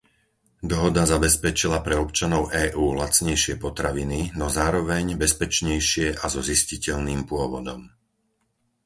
Dohoda zabezpečila pre občanov EÚ lacnejšie potraviny, no zároveň bezpečnejšie a so zistiteľným pôvodom.